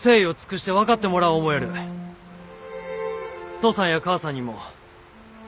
父さんや母さんにも。